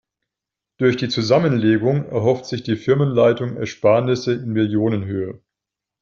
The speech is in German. Durch die Zusammenlegung erhofft sich die Firmenleitung Ersparnisse in Millionenhöhe.